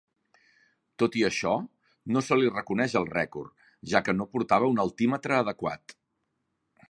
Tot i això, no se li reconeix el rècord, ja que no portava un altímetre adequat.